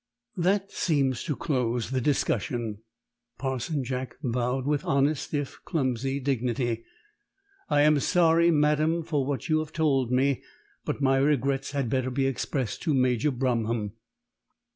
"That seems to close the discussion." Parson Jack bowed with honest, if clumsy, dignity. "I am sorry, madam, for what you have told me; but my regrets had better be expressed to Major Bromham."